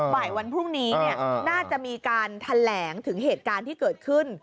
บ่ายวันพรุ่งนี้น่าจะมีการแถลงถึงเหตุการณ์ที่เกิดขึ้น